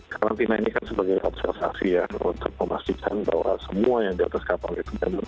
karantina ini kan sebagai konsultasi untuk memastikan bahwa semua yang di atas kapal jepang